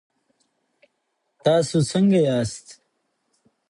Barclay calls a meeting with the senior staff and explains his observations.